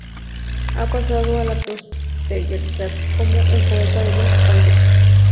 Ha pasado a la posteridad como el poeta de los banquetes.